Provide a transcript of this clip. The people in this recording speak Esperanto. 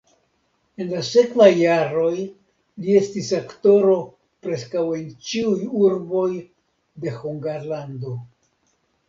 En la sekvaj jaroj li estis aktoro preskaŭ en ĉiuj urboj de Hungarlando.